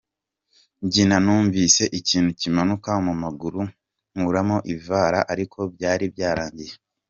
Mbyina numvise ikintu kimanuka mu maguru nkuramo ivara ariko byari byarangiye .